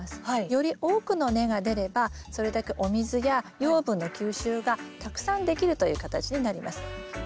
より多くの根が出ればそれだけお水や養分の吸収がたくさんできるという形になります。